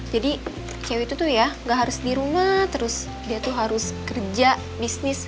jadi cewek itu tuh ya gak harus di rumah terus dia tuh harus kerja bisnis